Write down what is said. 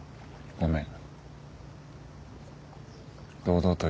ごめん。